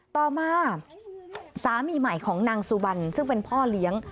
ต่อมาสามีใหม่ของนางสุบันซึ่งเป็นพ่อเลี้ยง